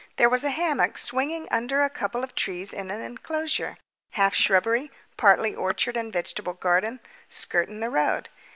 There was a hammock swinging under a couple of trees in an enclosure, half shrubbery, partly orchard and vegetable garden, skirting the road.